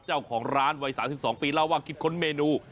เจ้าของร้านวัย๓๒ปีเล่าว่าคิดค้นเมนู